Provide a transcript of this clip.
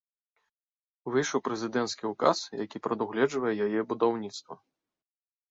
Выйшаў прэзідэнцкі ўказ, які прадугледжвае яе будаўніцтва.